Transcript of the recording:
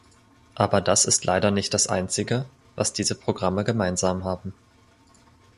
Aber das ist leider nicht das einzige, was diese Programme gemeinsam haben.